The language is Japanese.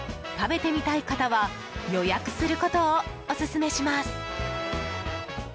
食べてみたい方は予約することをオススメします。